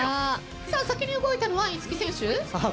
さあ先に動いたのはいつき選手・さあ